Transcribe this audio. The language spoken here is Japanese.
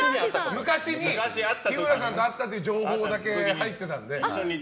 昔、日村さんと会ったという情報だけ入ってたんで。